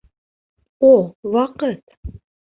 О, ваҡыт!